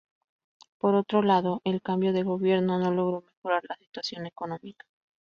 Por otro lado, el cambio de gobierno no logró mejorar la situación económica.